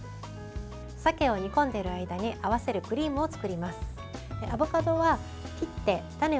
鮭を煮込んでいる間に合わせるクリームを作ります。